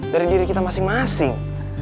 dari diri kita masing masing